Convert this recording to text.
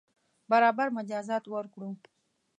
برابر مجازات ورکړو.